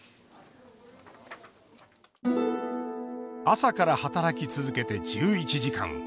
朝から働き続けて、１１時間。